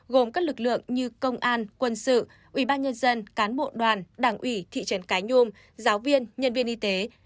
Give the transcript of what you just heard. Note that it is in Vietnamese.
gồm các lực lượng như công an quân sự ủy ban nhân dân cán bộ đoàn đảng ủy thị trấn cái nhung giáo viên nhân viên y tế